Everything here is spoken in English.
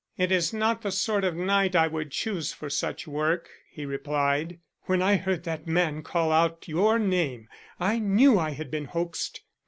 "It is not the sort of night I would choose for such work," he replied. "When I heard that man call out your name, I knew I had been hoaxed."